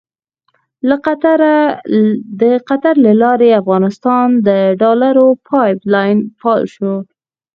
د قطر له لارې افغانستان ته د ډالرو پایپ لاین فعال شو.